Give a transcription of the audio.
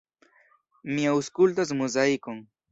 Mi aŭskultas Muzaikon.